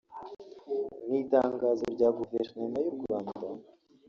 Mu itangazo rya Guverinoma y’ u Rwanda